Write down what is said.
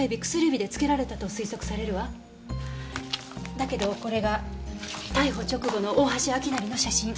だけどこれが逮捕直後の大橋明成の写真。